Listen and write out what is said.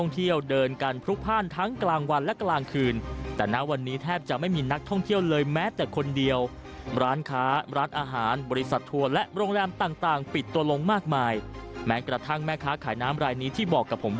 ติดตามได้จากรายงานครับ